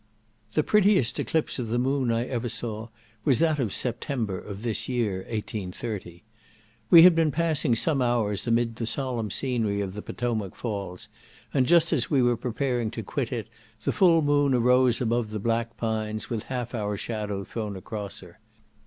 The prettiest eclipse of the moon I ever saw was that of September, of this year, (1830). We had been passing some hours amid the solemn scenery of the Potomac falls, and just as we were preparing to quit it, the full moon arose above the black pines, with half our shadow thrown across her.